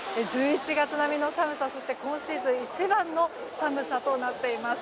１１月並みの寒さそして今シーズン一番の寒さとなっています。